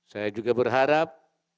saya juga berharap